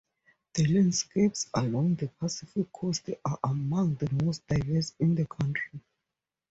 The landscapes along the Pacific Coast are among the most diverse in the country.